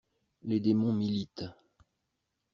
Les démons militent.